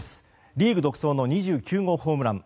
リーグ独走の２９号ホームラン。